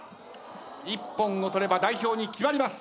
一本を取れば代表に決まります。